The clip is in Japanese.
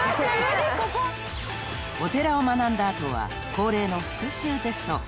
［お寺を学んだ後は恒例の復習テスト］